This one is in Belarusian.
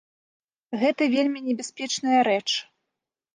Гэта вельмі небяспечная рэч.